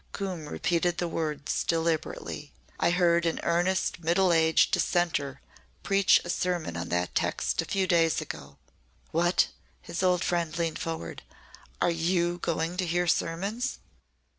'" Coombe repeated the words deliberately. "I heard an earnest middle aged dissenter preach a sermon on that text a few days ago." "What?" his old friend leaned forward. "Are you going to hear sermons?"